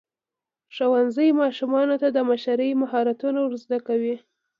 ښوونځی ماشومانو ته د مشرۍ مهارتونه ورزده کوي.